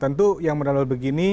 tentu yang modal begini